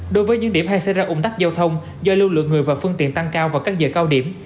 đối với những điểm hay xảy ra ủng tắc giao thông do lưu lượng người và phương tiện tăng cao vào các giờ cao điểm